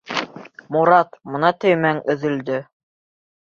Морат, бына төймәң өҙөлдө...